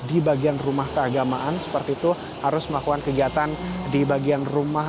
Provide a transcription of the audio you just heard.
di bagian rumah keagamaan seperti itu harus melakukan kegiatan di bagian rumah